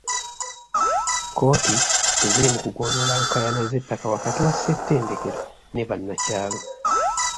Kkooti ziri mu kugonjoola nkaayana z'ettaka wakati wa ssetendekero ne bannakyalo.